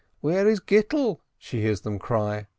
"Where is Gittel?" she hears them cry.